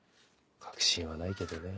確信はないけどね。